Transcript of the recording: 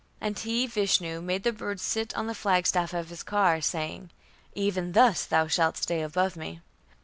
"And he (Vishnu) made the bird sit on the flagstaff of his car, saying: 'Even thus thou shalt stay above me'."